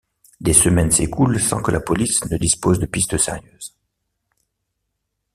Des semaines s'écoulent sans que la police ne dispose de pistes sérieuses.